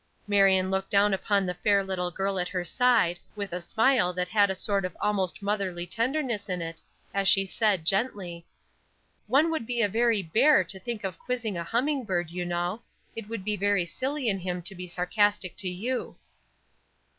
Marion looked down upon the fair little girl at her side with a smile that had a sort of almost motherly tenderness in it, as she said, gently: "One would be a very bear to think of quizzing a humming bird, you know. It would be very silly in him to be sarcastic to you."